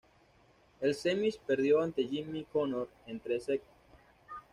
En semis perdió ante Jimmy Connors en tres sets.